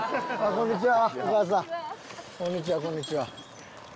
こんにちは。